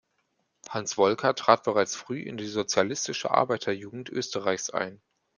Hans Wolker trat bereits früh in die Sozialistische Arbeiter-Jugend Österreichs ein.